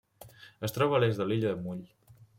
Es troba a l'est de l'illa de Mull.